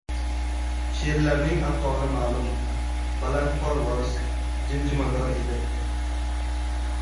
Sheʼrlarning ahvoli maʼlum – balandparvoz, jimjimador edi.